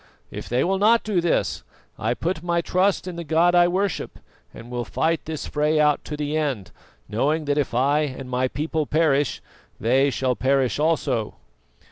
If they will not do this, I put my trust in the God I worship and will fight this fray out to the end, knowing that if I and my people perish, they shall perish also."